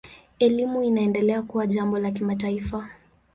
Elimu inaendelea kuwa jambo la kimataifa.